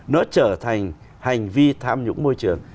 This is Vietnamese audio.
nó trở thành hành vi tham nhũng môi trường